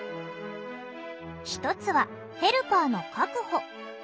１つはヘルパーの確保。